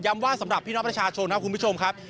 ว่าสำหรับพี่น้องประชาชนครับคุณผู้ชมครับ